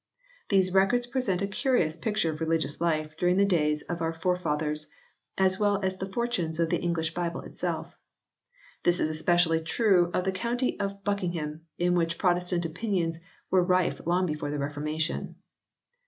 These records present a curious picture of religious life during the days of our fore fathers, as well as of the fortunes of the English Bible itself. This is especially true of the county of Buckingham in which Protestant opinions were rife long before the Reformation.